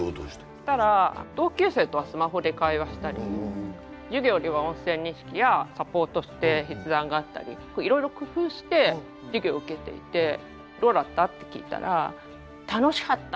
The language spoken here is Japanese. そしたら同級生とはスマホで会話したり授業では音声認識やサポートして筆談があったりいろいろ工夫して授業を受けていて「どうだった？」って聞いたら「楽しかった」